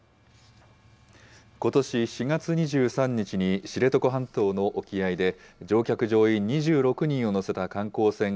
ことし４月２３日に知床半島の沖合で乗客・乗員２６人を乗せた観光船